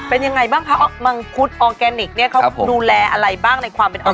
เป็นยังไงบ้างคะมังคุดออร์แกนิคเนี่ยเขาดูแลอะไรบ้างในความเป็นออ